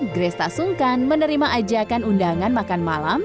gres tasungkan menerima ajakan undangan makan malam